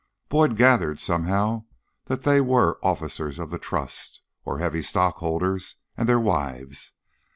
Boyd gathered somehow that they were officers of the Trust, or heavy stockholders, and their wives.